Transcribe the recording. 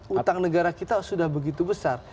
utang negara kita sudah begitu besar